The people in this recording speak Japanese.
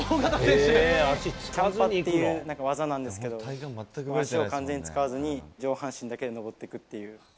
キャンパっていう技なんですけど、足を完全に使わずに、上半身だけで登っていくっていう。